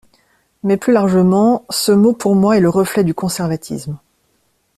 Mais plus largement, ce mot pour moi est le reflet du conservatisme